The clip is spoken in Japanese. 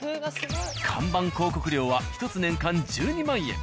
看板広告料は１つ年間１２万円。